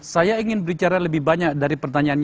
saya ingin berbicara lebih banyak dari pertanyaannya